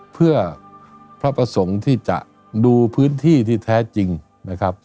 เพื่อพระประสงค์ที่จะดูพื้นที่ที่แท้จริงนะครับ